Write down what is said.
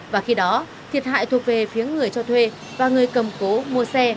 và khi đó thiệt hại thuộc về phía người cho thuê và người cầm cố mua xe